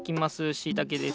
しいたけです。